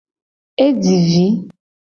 E ji vi.